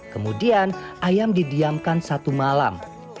kemudian ayam didiamkan satu malam